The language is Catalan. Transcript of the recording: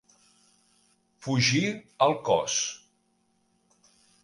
Fugir el cos.